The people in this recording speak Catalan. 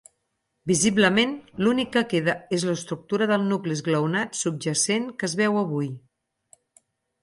Visiblement, l'únic que queda és l'estructura del nucli esglaonat subjacent que es veu avui.